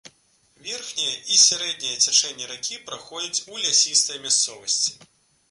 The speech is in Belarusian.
Верхняе і сярэдняе цячэнне ракі праходзіць ў лясістай мясцовасці.